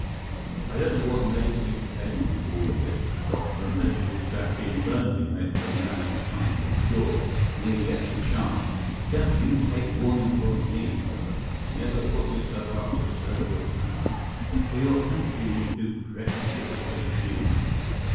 I don't know what made me tell you all this, doctor, unless it is that being lonely makes a man inclined to jaw when he gets a chance. Just you take warning from me, though. Never put yourself out to serve your country; for your country will do precious little for you.